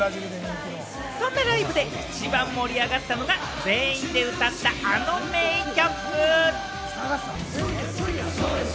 そんなライブで一番盛り上がったのが、全員で歌った、あの名曲。